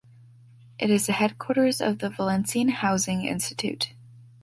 It is the headquarters of the Valencian Housing Institute.